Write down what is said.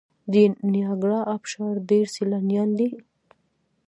د نیاګرا ابشار ډیر سیلانیان لري.